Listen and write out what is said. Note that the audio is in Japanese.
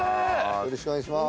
よろしくお願いします